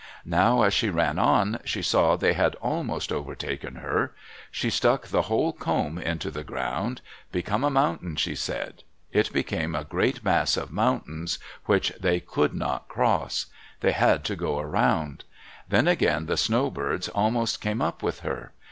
Now as she ran on, she saw they had almost overtaken her. She stuck the whole comb into the ground. "Become a mountain!" she said. It became a great mass of mountains which they could not cross. They had to go around. Then again the snowbirds almost came up with her.